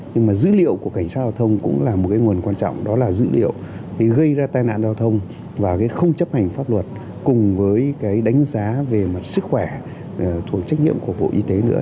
nhưng mà dữ liệu của cảnh sát giao thông cũng là một cái nguồn quan trọng đó là dữ liệu gây ra tai nạn giao thông và cái không chấp hành pháp luật cùng với cái đánh giá về mặt sức khỏe thuộc trách nhiệm của bộ y tế nữa